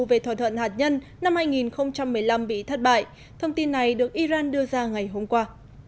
về thỏa thuận hạt nhân năm hai nghìn một mươi năm bị thất bại thông tin này được iran đưa ra ngày hôm qua